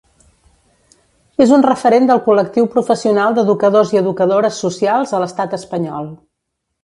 És un referent del col·lectiu professional d'educadors i educadores socials a l'Estat espanyol.